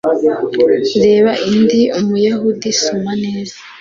Reba Ndi Umuyahudi Soma neza